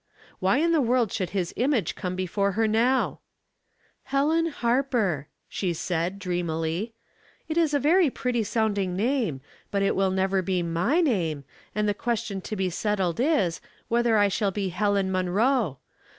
Why in the world should his image come before her now ?" Helen Harper," she said, dreamily. " It is a very pretty sounding name, but it will never be my name, and the question to be settled is, whether I shall be Helen Munroe.